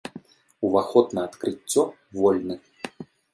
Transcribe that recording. Уваход на адкрыццё вольны!